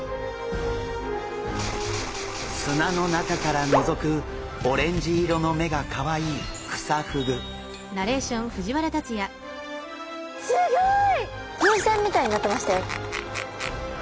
砂の中からのぞくオレンジ色の目がカワイイすギョい！